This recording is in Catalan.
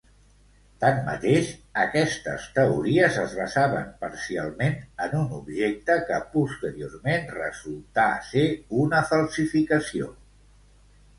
Tanmateix, aquestes teories es basaven parcialment en un objecte que posteriorment resultà ser una falsificació.